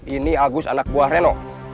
ini agus anak buah reno